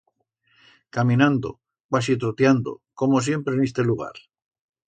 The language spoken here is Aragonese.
Caminando, cuasi trotiando, como siempre en iste lugar.